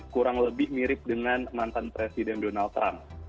kurang lebih mirip dengan mantan presiden donald trump